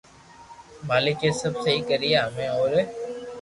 مالڪ اي سب سھي ڪرئي ھمي اوري